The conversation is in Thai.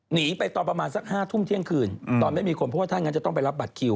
หนีไปต่อประมาณซักห้าทุ่มเที่ยงคืนต่อไม่มีคนเพราะท่านจะต้องไปรับบัตรคิว